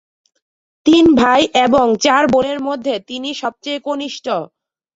তিন ভাই এবং চার বোনের মধ্যে তিনি সবচেয়ে কনিষ্ঠ।